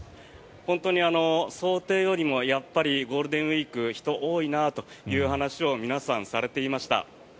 本当に想定よりもやっぱりゴールデンウィーク人が多いなという話を皆さん、されていました。